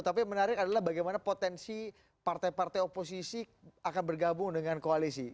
tapi menarik adalah bagaimana potensi partai partai oposisi akan bergabung dengan koalisi